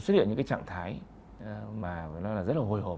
xuất hiện những cái trạng thái mà nó là rất là hồi hộp